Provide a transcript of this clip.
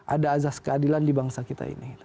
ada azas keadilan di bangsa kita ini